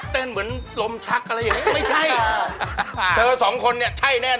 เบอร์๑หนูจะประคองเขาไว้